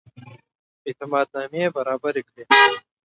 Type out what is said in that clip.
اعتماد نامې برابري کړي.